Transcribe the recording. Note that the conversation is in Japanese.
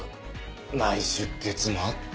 内出血もあって。